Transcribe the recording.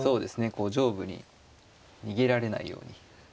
こう上部に逃げられないように。